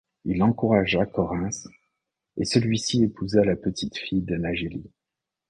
Il encouragea Correns et celui-ci épousa la petite fille de Nägeli.